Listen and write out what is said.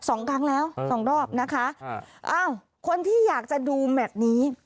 สองครั้งแล้วสองรอบนะคะอ่าอ้าวคนที่อยากจะดูแมทนี้